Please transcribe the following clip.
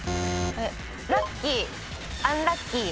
ラッキーアンラッキー。